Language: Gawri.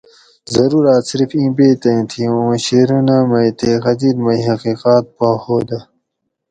ضروراۤت صرف ایں بیت ایں تھی اُوں شعرونہ مئ تے غزِل مئ حقیقاۤت پا ھودہ